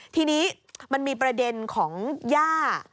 ทีนี้มันมีประเด็นของย่า